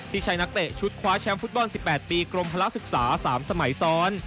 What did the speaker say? ที่ใช้นักเตะชุดคว้าแชมป์ฟุตบอล๑๘ปีกรมพละศึกษา๓สมัยซ้อน